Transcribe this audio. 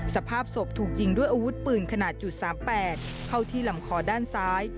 สภาพศพถูกยิงด้วยอาวุธปืนขนาด๓๘เข้าที่ลำคอด้านซ้าย